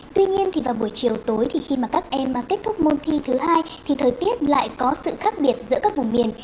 tuy nhiên thì vào buổi chiều tối thì khi mà các em kết thúc môn thi thứ hai thì thời tiết lại có sự khác biệt giữa các vùng miền